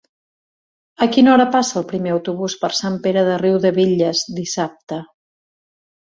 A quina hora passa el primer autobús per Sant Pere de Riudebitlles dissabte?